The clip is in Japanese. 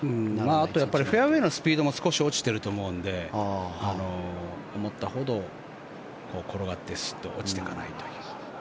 あとフェアウェーのスピードもちょっと落ちていると思うので思ったほど転がってスッと落ちていかないという。